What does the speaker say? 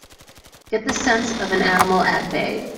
Get the sense of an animal at bay!